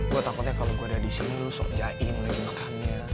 gue takutnya kalo gue ada disini lo sok jahe mulai dimakannya